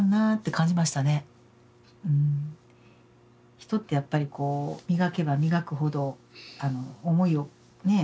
人ってやっぱりこう磨けば磨くほどあの思いをねえ